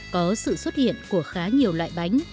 có sự xuất hiện của khá nhiều loại bánh